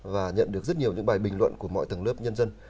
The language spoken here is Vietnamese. và nhận được rất nhiều những bài bình luận của mọi tầng lớp nhân dân